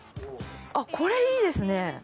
あっこれいいですね。